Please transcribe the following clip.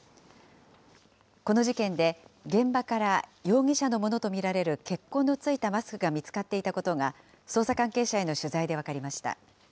この事件で、現場から容疑者のものと見られる血痕のついたマスクが見つかっていたことが、捜査関係者への取材で分かりました。